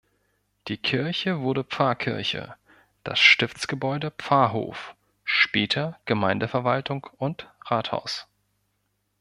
Die Kirche wurde Pfarrkirche, das Stiftsgebäude Pfarrhof, später Gemeindeverwaltung und Rathaus.